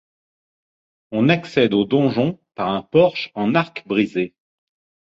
On accède au donjon par un porche en arc brisé.